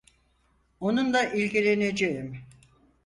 Onunla ilgileneceğim.